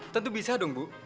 tentu bisa dong bu